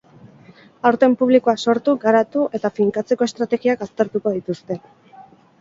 Aurten publikoa sortu, garatu eta finkatzeko estrategiak aztertuko dituzte.